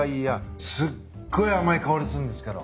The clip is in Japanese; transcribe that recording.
すっごい甘い香りするんですけど。